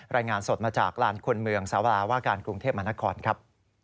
รายงานสดมาจากลานคนเมืองสาวลาว่าการกรุงเทพมนครครับ